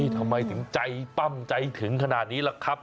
ทำไมถึงใจปั้มใจถึงขนาดนี้ล่ะครับ